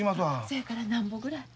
そやからなんぼぐらい。